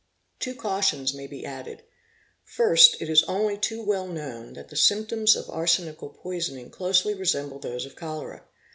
'Pwo cautions may be added. First, it is only too well known that the symptoms of arsenical poisoning closely resemble those of cholera.